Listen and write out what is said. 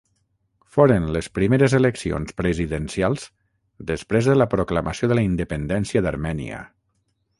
Foren les primeres eleccions presidencials després de la proclamació de la independència d'Armènia.